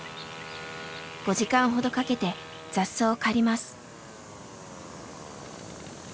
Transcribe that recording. ５時間ほどかけて雑草を刈ります。